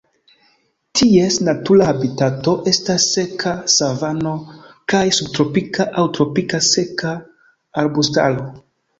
Ties natura habitato estas seka savano kaj subtropika aŭ tropika seka arbustaro.